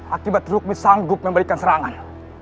akibat rukmi sanggup memberikan serangan